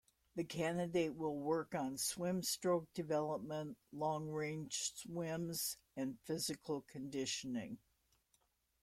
The candidate will work on swim stroke development, long range swims and physical conditioning.